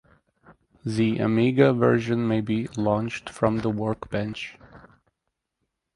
The Amiga version may be launched from the workbench.